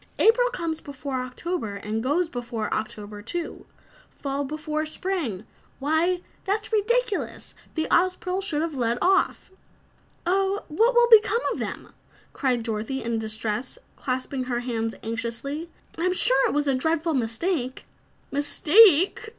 "April comes before October and goes before October, too. Fall before spring why, that's ridiculous! The Ozpril should have led off!" "Oh, what will become of them?" cried Dorothy in distress, clasping her hands anxiously. "I'm sure it was a dreadful mistake." "Mistake!"